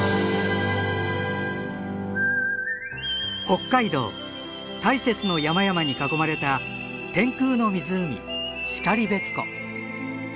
北海道大雪の山々に囲まれた天空の湖然別湖。